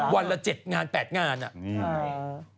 วันละ๗งาน๘งานอะ